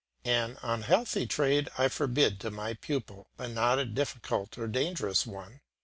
An unhealthy trade I forbid to my pupil, but not a difficult or dangerous one.